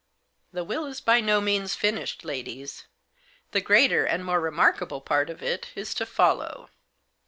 "The will is by no means finished, ladies. The greater, and more remarkable part of it is to follow.